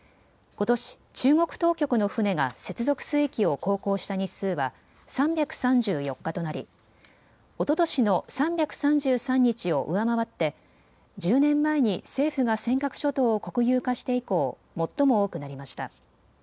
ことし中国当局の船が接続水域を航行した日数は３３４日となりおととしの３３３日を上回って１０年前に政府が尖閣諸島を国有化して以降、最も多くなりました。